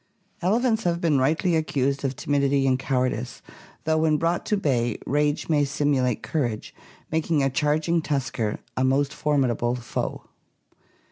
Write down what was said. Elephants have been rightly accused of timidity and cowardice, though when brought to bay rage may simulate courage, making a charging tusker a most formidable foe.